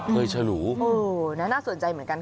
เคยฉลูโอ้โหน่าสนใจเหมือนกัน